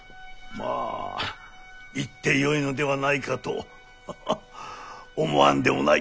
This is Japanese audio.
まあ言ってよいのではないかとハハッ思わんでもない。